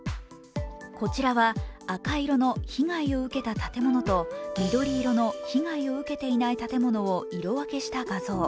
こちらは赤色の被害を受けた建物と緑色の被害を受けていない建物を色分けした画像。